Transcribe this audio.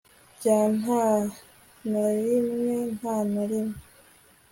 bya 'nta na rimwe - nta na rimwe'